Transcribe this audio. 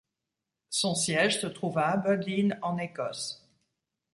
Son siège se trouve à Aberdeen, en Écosse.